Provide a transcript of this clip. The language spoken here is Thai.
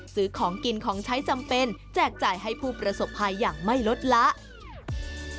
ซื้อของกินของใช้จำเป็นแจกจ่ายให้ผู้ประสบภัยอย่างไม่ลดละ